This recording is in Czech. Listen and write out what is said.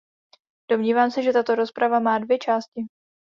Domnívám se, že tato rozprava má dvě části.